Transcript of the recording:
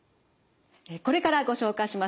これからご紹介します